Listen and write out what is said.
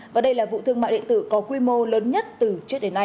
và đây là vụ thương mại điện tử có quy mô lớn nhất từ trước đến nay